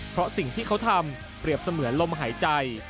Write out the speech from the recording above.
เพราะสิ่งที่เขาทำเปรียบเสมือนลมหายใจ